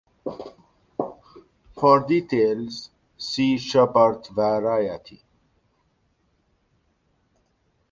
For details see Schubert variety.